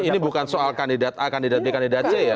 ini bukan soal kandidat a kandidat b kandidat c ya